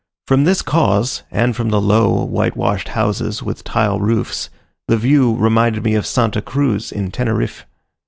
From this cause, and from the low whitewashed houses with tile roofs, the view reminded me of St. Cruz in Teneriffe.